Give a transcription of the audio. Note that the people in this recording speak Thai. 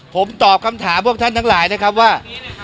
ผมตอบคำถามพวกท่านทั้งหลายนะครับว่า